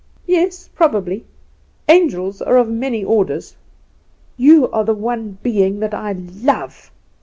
"Yes, probably; angels are of many orders." "You are the one being that I love!"